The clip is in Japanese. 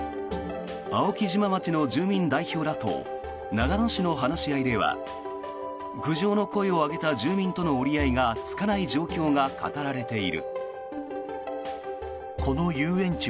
青木島町の住民代表らと長野市の話し合いでは苦情の声を上げた住民との折り合いがつかない状況が語られている。